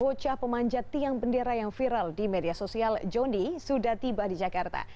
bocah pemanjat tiang bendera yang viral di media sosial jonny sudah tiba di jakarta